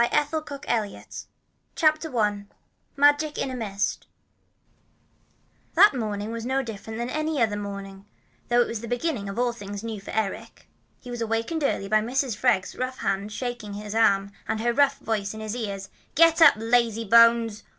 MORE MAGIC IN A MIST CHAPTER I MAGIC IN A MIST That morning began no differently from any morning, though it was to be the beginning of all things new for Eric. He was awakened early by Mrs. Freg's rough hand shaking him by the arm, and her rough voice in his ears: "Get up, lazy bones!